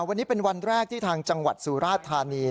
วันนี้เป็นวันแรกที่ทางจังหวัดสุราธานี